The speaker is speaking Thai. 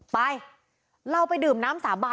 ไปเราไปดื่มน้ำสาบาน